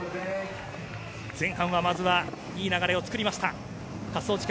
前半はいい流れを作りました。